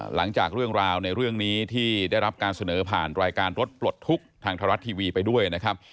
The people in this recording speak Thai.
หลังจากเรื่องราวในเรื่องนี้ที่ได้รับการเสนอผ่านรายการรถปลดทุกข์ทางไทยรัฐทีวีไปด้วยนะครับ